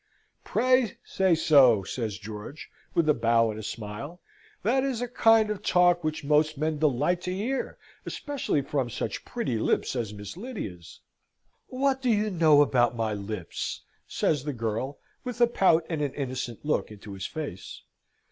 "Pray, say so," says George, with a bow and a smile. "That is a kind of talk which most men delight to hear, especially from such pretty lips as Miss Lydia's." "What do you know about my lips?" says the girl, with a pout and an innocent look into his face.